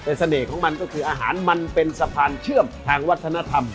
แต่เสน่ห์ของมันก็คืออาหารมันเป็นสะพานเชื่อมทางวัฒนธรรม